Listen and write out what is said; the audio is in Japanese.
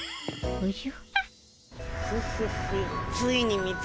おじゃ。